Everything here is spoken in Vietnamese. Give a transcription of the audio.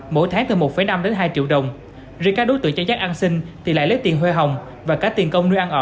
mỗi tháng từ một năm hai triệu đồng riêng các đối tượng chăn rắt ăn xin thì lại lấy tiền huê hồng và cả tiền công nuôi ăn ỏ